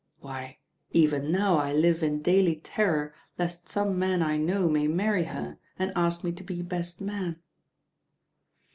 Why, even now I live in daily terror lest some man I know may marry her and ask me to be best man.